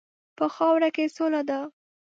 په خاوره کې سوله ده.